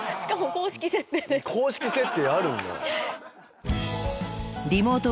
公式設定あるんだ。